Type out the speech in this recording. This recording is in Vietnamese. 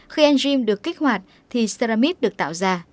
khi enzyme được kích hoạt thì ceramide được tạo ra